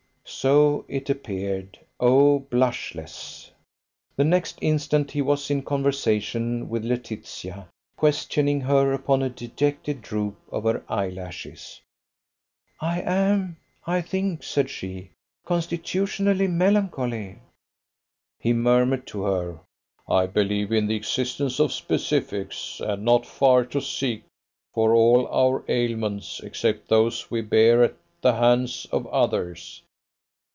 So it appeared. Oh, blushless! The next instant he was in conversation with Laetitia, questioning her upon a dejected droop of her eyelashes. "I am, I think," said she, "constitutionally melancholy." He murmured to her: "I believe in the existence of specifics, and not far to seek, for all our ailments except those we bear at the hands of others."